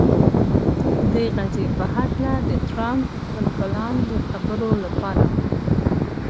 د غزې په هکله د ټرمپ پر پلان د خبرو لپاره